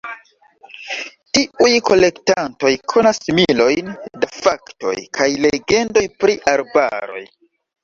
Tiuj kolektantoj konas milojn da faktoj kaj legendoj pri arbaroj.